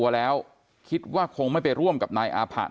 แล้วคิดว่าคงไม่ไปร่วมกับนายอาผะ